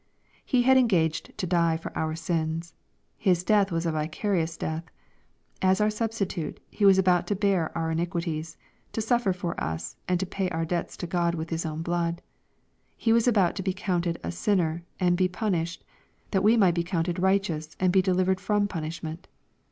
He had engaged to die for our sins. His death was a vicarious death. As our substitute. He was about to bear our iniquities, to suffer for us, and to pay our debts to Grod with His own blood. He was'al^out to be counted a sinner, and be punished, that we might be counted righteous, and be delivered from punishment.